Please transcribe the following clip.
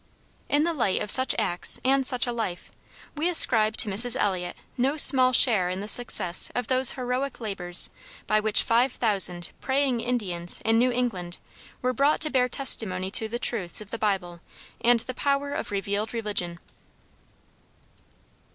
In the light of such acts and such a life, we ascribe to Mrs. Eliot no small share in the success of those heroic labors by which five thousand "praying Indians" in New England were brought to bear testimony to the truths of the Bible and the power of revealed religion.